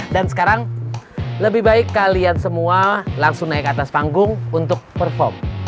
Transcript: dan sekarang lebih baik kalian semua langsung naik atas panggung untuk perform